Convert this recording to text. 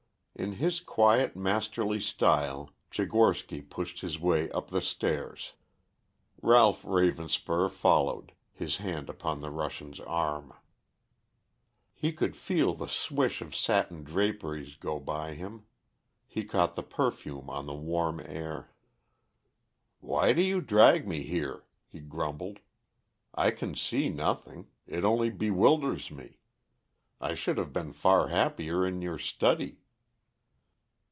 In his quiet, masterly style Tchigorsky pushed his way up the stairs. Ralph Ravenspur followed, his hand upon the Russian's arm. He could feel the swish of satin draperies go by him; he caught the perfume on the warm air. "Why do you drag me here?" he grumbled. "I can see nothing; it only bewilders me. I should have been far happier in your study."